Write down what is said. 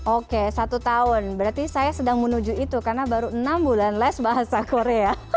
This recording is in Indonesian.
oke satu tahun berarti saya sedang menuju itu karena baru enam bulan les bahasa korea